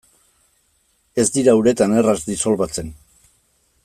Ez dira uretan erraz disolbatzen.